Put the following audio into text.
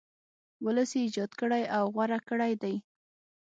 ولس یې ایجاد کړی او غوره کړی دی.